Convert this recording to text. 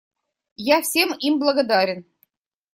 Я всем им благодарен.